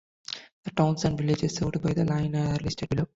The towns and villages served by the line are listed below.